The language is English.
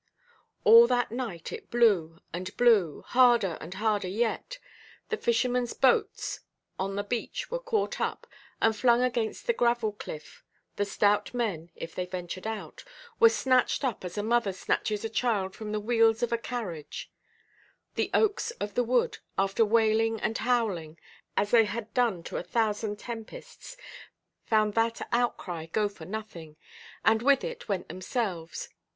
All that night it blew and blew, harder and harder yet; the fishermenʼs boats on the beach were caught up, and flung against the gravel–cliff; the stout men, if they ventured out, were snatched up as a mother snatches a child from the wheels of a carriage; the oaks of the wood, after wailing and howling, as they had done to a thousand tempests, found that outcry go for nothing, and with it went themselves.